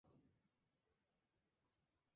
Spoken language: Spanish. Este barrio, insular, se sitúa al norte del municipio.